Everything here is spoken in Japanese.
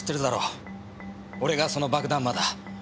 「俺がその爆弾魔だ。